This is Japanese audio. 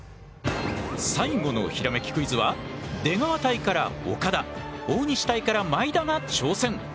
最後のひらめきクイズは出川隊から岡田大西隊から毎田が挑戦。